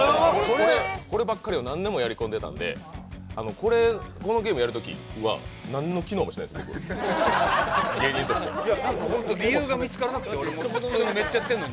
こればっかりは何年もやり込んでたんでこのゲームやるときは、何の機能もしないです、芸人としての。